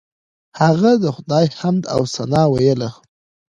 هغه د خدای حمد او ثنا ویله.